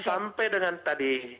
sampai dengan tadi